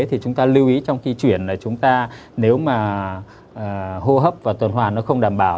thì chúng ta lưu ý trong khi chuyển là chúng ta nếu mà hô hấp và tuần hoàn nó không đảm bảo